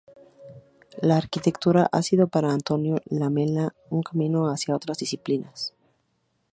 La arquitectura ha sido para Antonio Lamela un camino hacia otras disciplinas.